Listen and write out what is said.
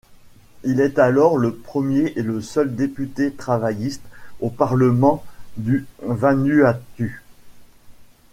Il est alors le premier et le seul député travailliste au Parlement du Vanuatu.